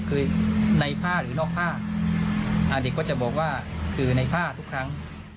คือในผ้าหรือนอกผ้าเด็กก็จะบอกว่าคือในผ้าทุกครั้ง